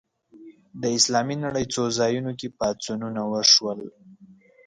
د اسلامي نړۍ څو ځایونو کې پاڅونونه وشول